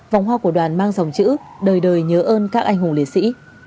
vòng hoa của đoàn mang dòng chữ đời đời nhớ ơn các anh hùng liệt sĩ